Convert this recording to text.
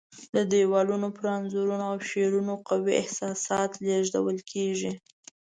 د دیوالونو پر انځورونو او شعرونو قوي احساسات لېږدول کېږي.